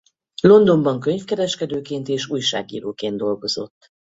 Londonban könyvkereskedőként és újságíróként dolgozott.